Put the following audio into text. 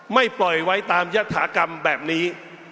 ปล่อยไว้ตามยัตถากรรมแบบนี้